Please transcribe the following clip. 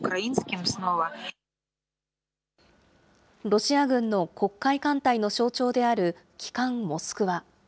ロシア軍の黒海艦隊の象徴である旗艦モスクワ。